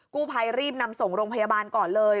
กู้ภัยรีบนำส่งโรงพยาบาลก่อนเลย